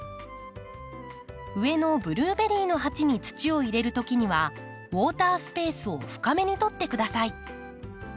上のブルーベリーの鉢に土を入れるときにはウォータースペースを深めに取ってください。